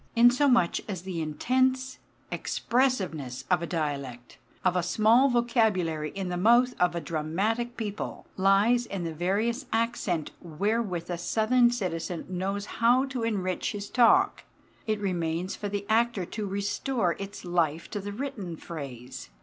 Insomuch as the intense expressiveness of a dialect of a small vocabulary in the mouth of a dramatic people lies in the various accent wherewith a southern citizen knows how to enrich his talk, it remains for the actor to restore its life to the written phrase.